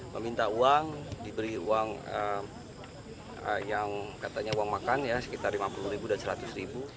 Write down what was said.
meminta uang diberi uang yang katanya uang makan sekitar rp lima puluh dan rp seratus